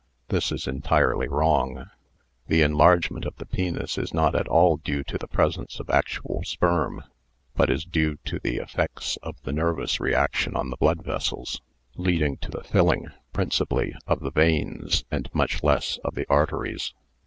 This is entirely wrong. The enlargement of the penis is not at all due to the presence of actual sperm, but is due to the effects of the nervous reaction on the blood vessels, leading to the filling, principally of the veins, and much less of the arteries.